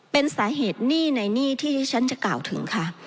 เป็นสาเหตุหนี้ในหนี้ที่ที่ฉันจะกล่าวถึงค่ะ